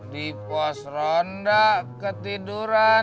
di pos ronda ketiduran